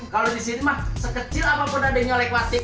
kalau di sini mah sekecil apapun adanya oleh kuatik